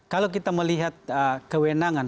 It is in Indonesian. kalau kita melihat kewenangan